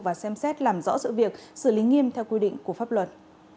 và xem xét làm rõ sự việc xử lý nghiêm theo quy định của pháp luật